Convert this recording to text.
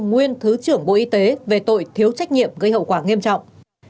nguyên thứ trưởng bộ y tế về tội thiếu trách nhiệm gây hậu quả nghiêm trọng